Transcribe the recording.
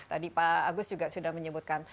tadi pak agus juga sudah menyebutkan